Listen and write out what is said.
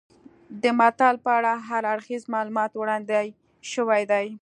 د متل په اړه هر اړخیز معلومات وړاندې شوي دي